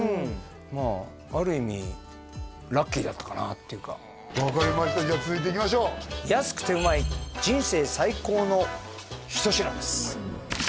まあある意味ラッキーだったかなっていうか分かりましたじゃあ続いていきましょう安くてうまい人生最高の一品です